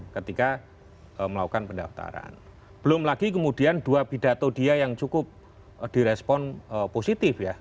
ketika melakukan pendaftaran belum lagi kemudian dua pidato dia yang cukup direspon positif ya